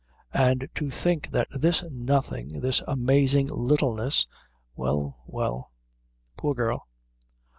And to think that this nothing, this amazing littleness well, well; poor girl.